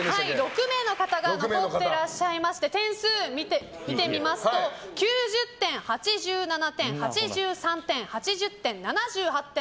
６名の方が残っていらっしゃいまして点数、見てみますと９０点、８７点８３点、８０点、７８点